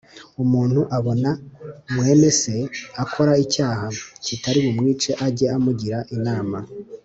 Umuntu nabona mwene Se akora icyaha kitari bumwice ajye amugira inama